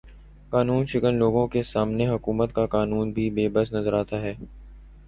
قانوں شکن لوگوں کے سامنے حکومت کا قانون بھی بے بس نظر آتا ہے